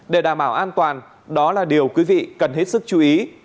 để đảm bảo an toàn đó là điều quý vị cần hết sức chú ý